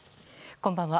こんばんは。